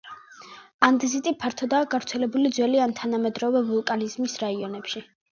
ანდეზიტი ფართოდაა გავრცელებული ძველი ან თანამედროვე ვულკანიზმის რაიონებში.